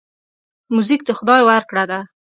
موزیک د خدای ورکړه ده.